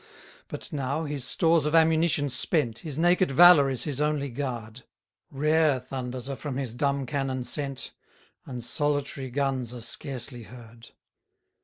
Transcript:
103 But now, his stores of ammunition spent, His naked valour is his only guard; Rare thunders are from his dumb cannon sent, And solitary guns are scarcely heard.